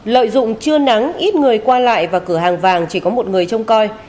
lợi dụng chưa nắng ít người qua lại và cửa hàng vàng chỉ có một người trông coi